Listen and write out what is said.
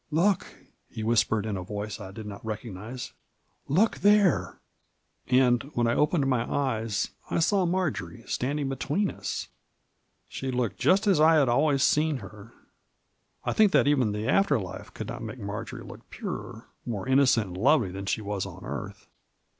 " Look," he whispered, in a voice I did not recognize, " look there !" And when I opened my eyes, I saw Marjory standing between us ! She looked just as I had always seen her : I think that even the after life could not make Marjory look purer, more innocent and lovely than she was on earth.